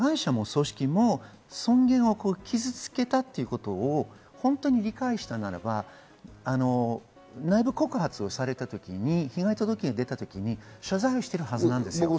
加害者も組織も尊厳を傷付けたということを本当に理解したならば、内部告発をされた時に被害届が出たときに謝罪しているはずです。